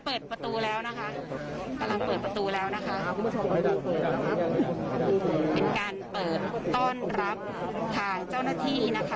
เปิดประตูแล้วนะคะตอนเด็ดประตูแล้วนะคะเป็นการเปิดต้อนรับถ่ายเจ้าหน้าที่นะคะ